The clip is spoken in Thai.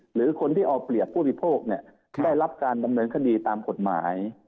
หรือคนที่เอาเปรียบผู้บริโภคได้รับการดำเนินคดีตามกฎหมาย